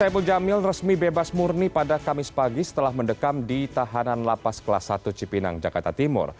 saiful jamil resmi bebas murni pada kamis pagi setelah mendekam di tahanan lapas kelas satu cipinang jakarta timur